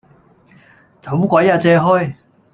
走鬼呀借開!